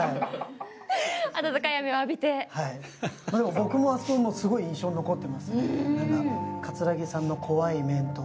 僕もあそこ、すごい印象に残ってます。